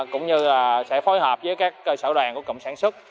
cũng như sẽ phối hợp với các sở đoàn của cộng sản xuất